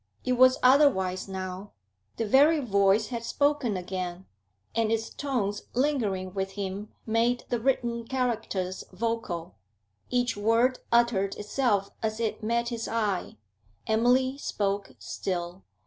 It was otherwise now. The very voice had spoken again, and its tones lingering with him made the written characters vocal; each word uttered itself as it met his eye; Emily spoke still.